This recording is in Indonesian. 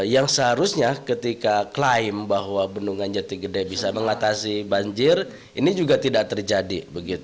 yang seharusnya ketika klaim bahwa bendungan jati gede bisa mengatasi banjir ini juga tidak terjadi